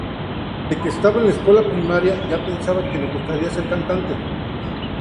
Desde que estaba en la escuela primaria, ya pensaba que le gustaría ser cantante.